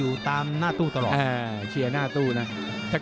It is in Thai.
อย่างที่ท่านห่วงเอาเองอยู่แล้วแล้วหิ้งก้าลพอเย้าที่สายหน้ากำลังขึ้น